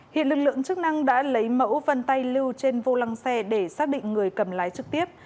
hiện lực lượng chức năng đã lấy mẫu vân tay lưu trên vô lăng xe để xác định người cầm lái trực tiếp